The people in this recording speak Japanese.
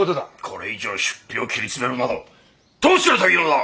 これ以上出費を切り詰めるなどどうしろというのだ！？